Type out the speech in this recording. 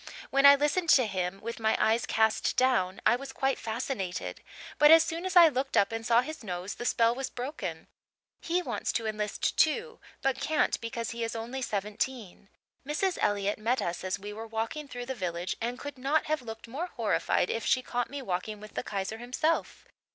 When I listened to him with my eyes cast down I was quite fascinated; but as soon as I looked up and saw his nose the spell was broken. He wants to enlist, too, but can't because he is only seventeen. Mrs. Elliott met us as we were walking through the village and could not have looked more horrified if she caught me walking with the Kaiser himself.